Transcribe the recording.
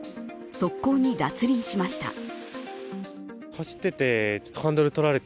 側溝に脱輪しました。